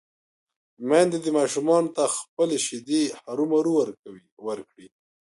ميندې دې ماشومانو ته خپلې شېدې هرومرو ورکوي